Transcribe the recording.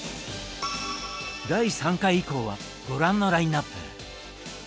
第３回以降はご覧のラインナップ。